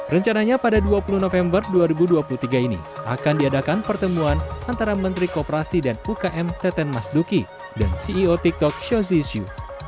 rencananya pada dua puluh november dua ribu dua puluh tiga ini akan diadakan pertemuan antara menteri kooperasi dan ukm teten mas duki dan ceo tiktok shozi shu